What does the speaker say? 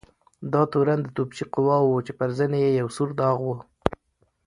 دا تورن د توپچي قواوو و چې پر زنې یې یو سور داغ و.